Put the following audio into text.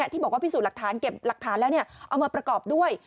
ที่บอกว่าพิสูจน์หลักฐานเก็บหลักฐานแล้วเอามาประกอบด้วย